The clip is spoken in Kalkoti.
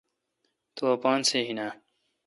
تو اپان سہ این اؘ